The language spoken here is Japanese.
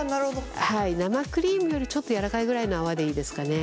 生クリームよりちょっとやわらかいぐらいの泡でいいですかね。